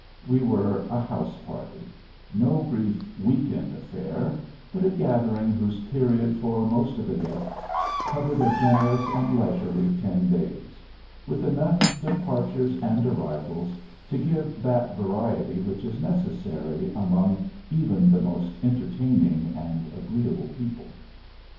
We were a house party, no brief "week end" affair, but a gathering whose period for most of the guests covered a generous and leisurely ten days, with enough departures and arrivals to give that variety which is necessary among even the most entertaining and agreeable people.